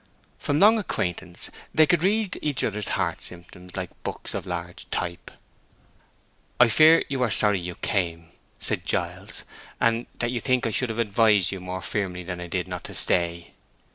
From long acquaintance they could read each other's heart symptoms like books of large type. "I fear you are sorry you came," said Giles, "and that you think I should have advised you more firmly than I did not to stay."